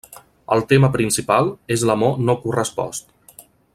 El tema principal és l'amor no correspost.